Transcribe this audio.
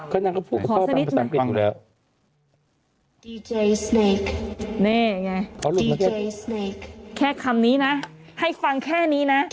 ก็ยังก็พูดก็ต้องพักฟังอยู่แล้วนี่ไงแค่คำนี้น่ะให้ฟังแค่นี้น่ะ